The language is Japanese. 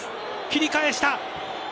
切り返した。